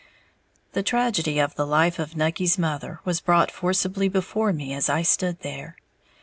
The tragedy of the life of Nucky's mother was brought forcibly before me as I stood there.